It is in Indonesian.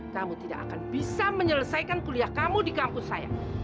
kamu tidak akan bisa menyelesaikan kuliah kamu di kampus saya